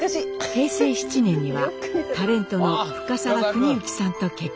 平成７年にはタレントの深沢邦之さんと結婚。